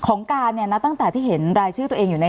ของการเนี่ยนะตั้งแต่ที่เห็นรายชื่อตัวเองอยู่ใน